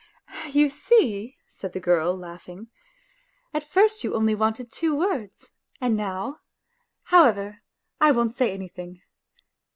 " You see," said the girl, laughing, " at first you only wanted two words, and now ... However, I won't say anything